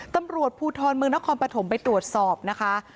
ตำรวจภูทรเมืองนครปฐมไปตรวจสอบนะคะ